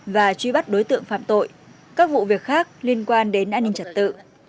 và truy bắt đối tượng phạm tội các vụ việc khác liên quan đến an ninh trật tự